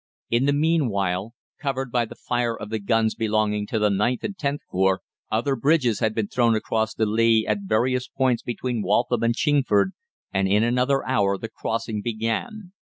"In the meanwhile, covered by the fire of the guns belonging to the IXth and Xth Corps, other bridges had been thrown across the Lea at various points between Waltham and Chingford, and in another hour the crossing began.